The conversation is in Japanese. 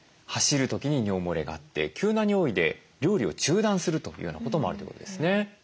走る時に尿もれがあって急な尿意で料理を中断するというようなこともあるということですね。